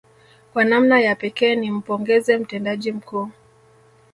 Kwa namna ya pekee ni mpongeze mtendaji mkuu